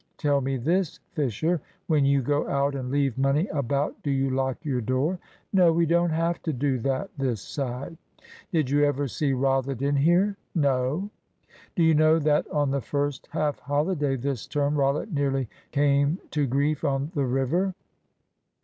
Tell me this, Fisher; when you go out and leave money about do you lock your door?" "No. We don't have to do that this side." "Did you ever see Rollitt in here?" "No." "Do you know that on the first half holiday this term Rollitt nearly came to grief on the river?"